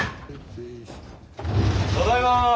ただいま。